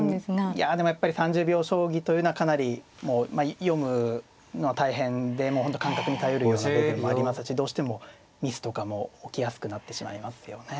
いやでもやっぱり３０秒将棋というのはかなり読むのは大変でもう本当感覚に頼るような部分もありますしどうしてもミスとかも起きやすくなってしまいますよね。